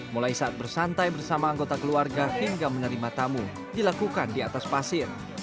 mulai saat bersantai bersama anggota keluarga hingga menerima tamu dilakukan di atas pasir